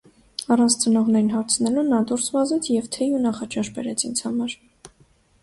Առանց ծնողներին հարցնելու նա դուրս վազեց և թեյ ու նախաճաշ բերեց ինձ համար: